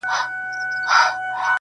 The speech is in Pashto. څو پړسېدلي د پردیو په کولمو ټپوسان،